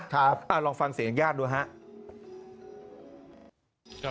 ครับลองฟังเสียงย่านดูนะฮะ